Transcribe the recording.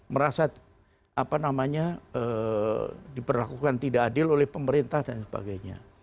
merasa apa namanya diperlakukan tidak adil oleh pemerintah dan sebagainya